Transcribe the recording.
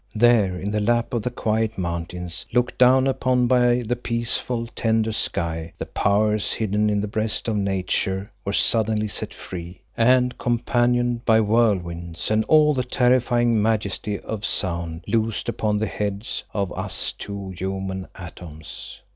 There in the lap of the quiet mountains, looked down upon by the peaceful, tender sky, the powers hidden in the breast of Nature were suddenly set free, and, companioned by whirlwinds and all the terrifying majesty of sound, loosed upon the heads of us two human atoms.